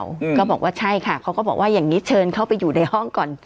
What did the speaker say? อืมก็บอกว่าใช่ค่ะเขาก็บอกว่าอย่างงี้เชิญเข้าไปอยู่ในห้องก่อน